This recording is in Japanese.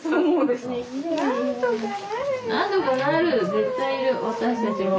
絶対いる私たちも。